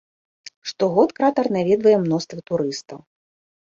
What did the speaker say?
Штогод кратар наведвае мноства турыстаў.